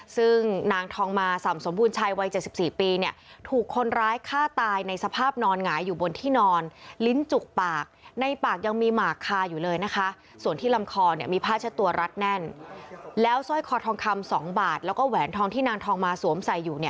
ซึ่งนางท้องมาศามสมบูรณ์ชายวัย๗๔ปีเนี่ย